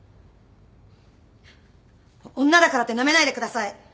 女だからってなめないでください！